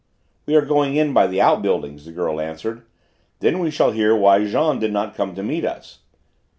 "We are going in by the out buildings," the girl answered; "then we shall hear why Jean did not come to meet us."